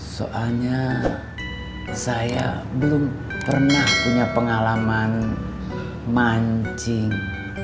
soalnya saya belum pernah punya pengalaman mancing